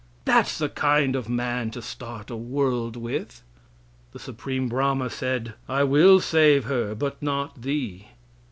That's the kind of man to start a world with. The Supreme Brahma said, "I will save her but not thee."